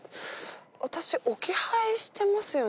私置き配してますよね？